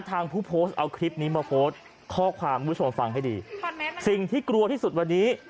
ผู้โพสต์เอาคลิปนี้มาโพสต์ข้อความคุณผู้ชมฟังให้ดีสิ่งที่กลัวที่สุดวันนี้